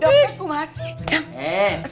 dokter aku mahasis